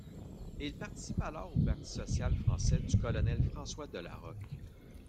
Il participe alors au Parti social français du colonel François de La Rocque.